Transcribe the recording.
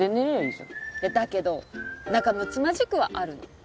いやだけど仲むつまじくはあるの。